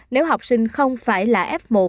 nếu học sinh không phải là f một